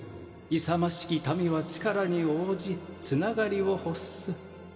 勇ましき民は力に応じつながりを欲す」